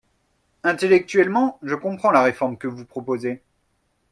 Intellectuellement, je comprends la réforme que vous proposez.